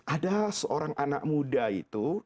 ada seorang anak muda itu